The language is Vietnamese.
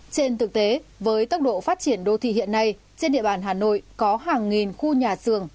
trên thực tế với tốc độ phát triển đô thị hiện nay trên địa bàn hà nội có hàng nghìn khu nhà xưởng